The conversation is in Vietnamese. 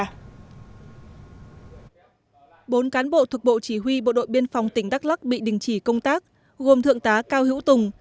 bốn cán bộ thuộc bộ chỉ huy bộ đội biên phòng tỉnh đắk lắc bị đình chỉ công tác gồm thượng tá cao hữu tùng